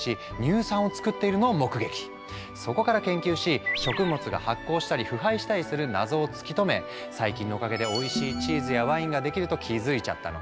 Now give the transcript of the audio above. そこから研究し食物が発酵したり腐敗したりする謎を突き止め細菌のおかげでおいしいチーズやワインができると気付いちゃったの。